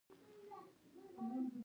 د نفوسو نږدې څلوېښت سلنه بېوزله دی.